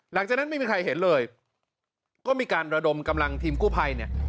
หลังจากนั้นไม่มีใครเห็นเลยก็มีการระดมกำลังทีมกู้ภัยเนี่ย